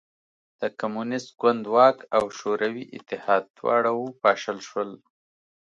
د کمونېست ګوند واک او شوروي اتحاد دواړه وپاشل شول